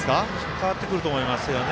変わってくると思いますね。